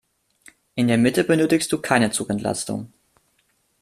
In der Mitte benötigst du keine Zugentlastung.